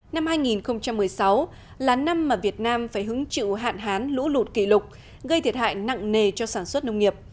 năm hai nghìn một mươi sáu là năm mà việt nam phải hứng chịu hạn hán lũ lụt kỷ lục gây thiệt hại nặng nề cho sản xuất nông nghiệp